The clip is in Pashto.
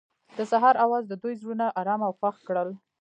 د سهار اواز د دوی زړونه ارامه او خوښ کړل.